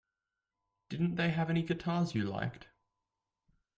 Didn't they have any guitars you liked?